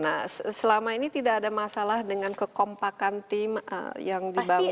nah selama ini tidak ada masalah dengan kekompakan tim yang dibangun